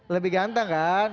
lebih ganteng kan